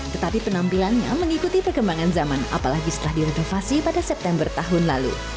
tetapi penampilannya mengikuti perkembangan zaman apalagi setelah direnovasi pada september tahun lalu